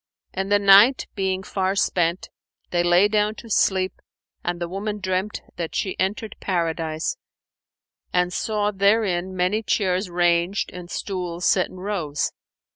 And the night being far spent, they lay down to sleep and the woman dreamt that she entered Paradise and saw therein many chairs ranged and stools set in rows.